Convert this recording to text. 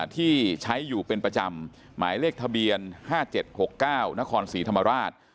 ที่ใช้อยู่เป็นประจำหมายเลขทะเบียน๕๗๖๙นครศรีธรรมราช